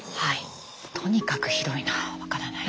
とにかく広いな分からない。